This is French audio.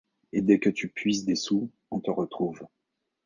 Et dès que tu puises des sous, on te retrouve.